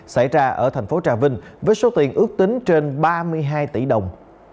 xảy ra ở thành phố trà vinh với số tiền ước tính trên ba mươi hai tỷ đồng